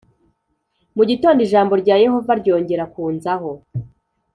Mu gitondo ijambo rya Yehova ryongera kunzaho